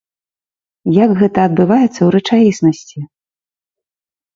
Як гэта адбываецца ў рэчаіснасці?